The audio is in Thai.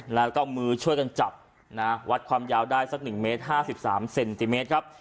แล้วก็มือช่วยกันจับนะวัดความยาวได้สักหนึ่งเมตรห้าสิบสามเซนติเมตรครับ